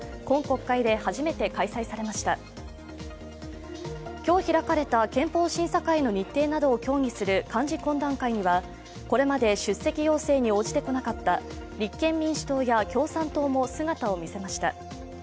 今日開かれた憲法審査会の日程などを協議する幹事懇談会にはこれまで出席要請に応じてこなかった立憲民主党や共産党も姿を見せました。